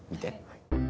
はい。